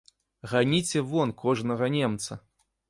Ганіце вон кожнага немца!